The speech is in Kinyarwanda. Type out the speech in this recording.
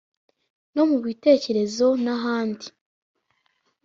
no mu bitekerezo n’ahandi,